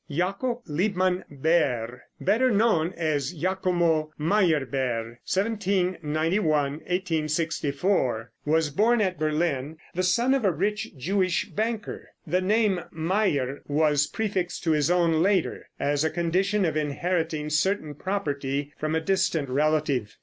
Jacob Liebmann Beer, better known as Giacomo Meyerbeer (1791 1864), was born at Berlin, the son of a rich Jewish banker. The name Meyer was prefixed to his own later, as a condition of inheriting certain property from a distant relative.